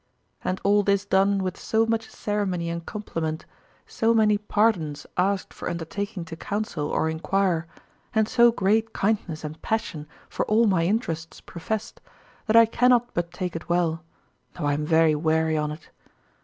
And all this done with so much ceremony and compliment, so many pardons asked for undertaking to counsel or inquire, and so great kindness and passion for all my interests professed, that I cannot but take it well, though I am very weary on't.